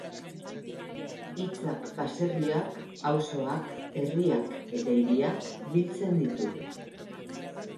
Hitzak baserriak, auzoak, herriak eta hiriak biltzen ditu.